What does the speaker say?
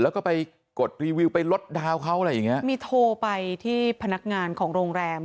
แล้วก็ไปกดรีวิวไปลดดาวน์เขาอะไรอย่างเงี้ยมีโทรไปที่พนักงานของโรงแรม